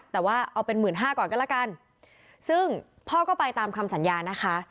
แต่ว่าเอาเป็นหมื่นห้าก่อนก็แล้วกันซึ่งพ่อก็ไปตามคำสัญญานะคะ